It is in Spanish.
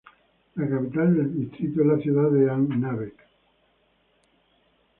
La capital del distrito es la ciudad de An-Nabek.